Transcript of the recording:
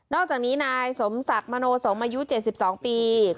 อกจากนี้นายสมศักดิ์มโนสมอายุ๗๒ปี